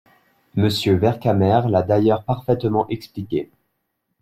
Monsieur Vercamer l’a d’ailleurs parfaitement expliqué.